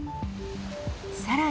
さらに。